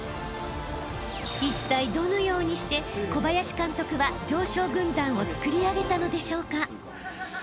［いったいどのようにして小林監督は常勝軍団をつくり上げたのでしょうか？］